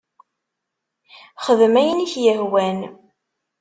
Xdem ayen i k-yehwan.